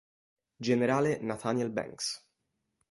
Gen. Nathaniel Banks.